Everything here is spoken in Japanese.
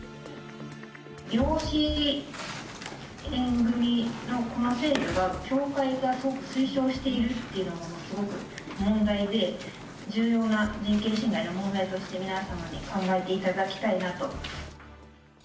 養子縁組のこの制度を教会がすごく推奨しているというのが問題で、重要な人権侵害の問題として、皆様に考えていただきたいなと。